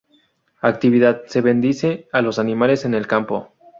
Actividad: Se bendice a los animales en el campo.